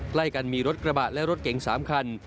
ใกล้กันมีรถกระบะและรถเก๋ง๓คัน